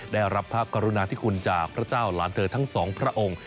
ได้รับพระกรุณาธิคุณจากพระเจ้าหลานเธอทั้งสองพระองค์